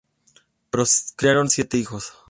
Procrearon siete hijos.